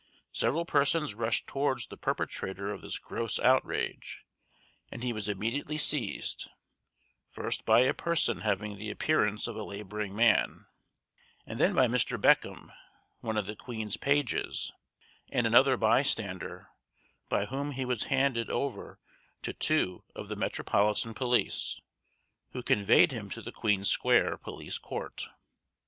Several persons rushed towards the perpetrator of this gross outrage, and he was immediately seized, first by a person having the appearance of a labouring man, and then by Mr. Beckham, one of the Queen's pages, and another bystander, by whom he was handed over to two of the metropolitan police, who conveyed him to the Queen square Police Court.